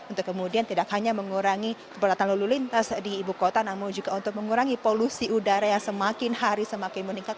untuk kemudian tidak hanya mengurangi keberatan lalu lintas di ibu kota namun juga untuk mengurangi polusi udara yang semakin hari semakin meningkat